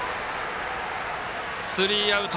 スリーアウト。